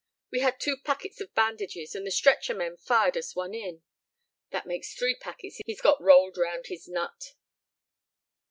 We had two packets of bandages, and the stretcher men fired us one in. That makes three packets he's got rolled round his nut."